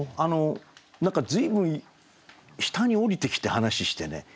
何か随分下に下りてきて話ししてね。